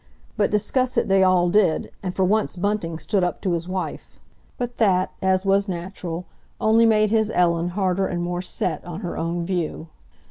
But discuss it they all did, and for once Bunting stood up to his wife. But that, as was natural, only made his Ellen harder and more set on her own view.